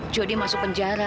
jody masuk penjara